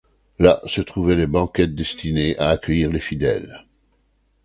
Là se trouvaient les banquettes destinées à accueillir les fidèles.